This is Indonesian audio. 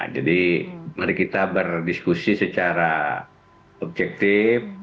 jadi mari kita berdiskusi secara objektif